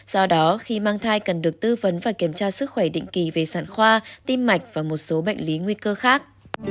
do đó khi mang thai cần được tư vấn và kiểm tra sức khỏe định kỳ về sản khoa tim mạch và một số bệnh lý nguy cơ khác